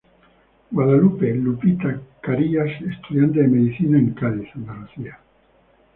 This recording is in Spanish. Guadalupe "Lupita" Carías, estudiante de medicina, en Cádiz, Andalucía.